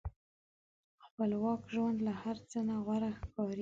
خپلواک ژوند له هر څه نه غوره ښکاري.